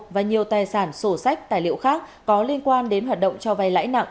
và nhiều tài sản sổ sách tài liệu khác có liên quan đến hoạt động cho vay lãi nặng